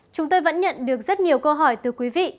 chúng tôi vẫn nhận được rất nhiều câu hỏi từ quý vị